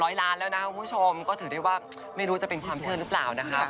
ซึ่งไว้ร้านแล้วนะคุณผู้ชมก็ถือได้ว่าไม่รู้จะเป็นความเชิญรึเปล่านะครับ